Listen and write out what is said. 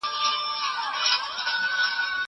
زه هره ورځ د زده کړو تمرين کوم!!